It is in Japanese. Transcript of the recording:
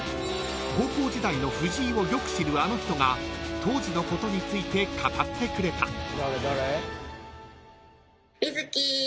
［高校時代の藤井をよく知るあの人が当時のことについて語ってくれた］